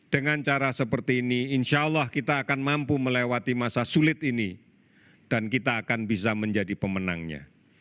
dengan cara seperti ini insya allah kita akan mampu melewati masa sulit ini dan kita akan bisa menjadi pemenangnya